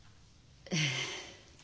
ええ。